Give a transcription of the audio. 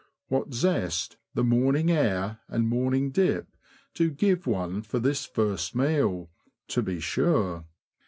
What zest the morning air and morning dip do give one for this first meal, to be sure